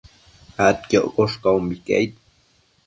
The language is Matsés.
adquioccosh caumbique aid